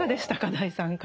第３回。